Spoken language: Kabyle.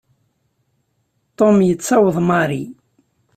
Tom yettaweḍ Mary.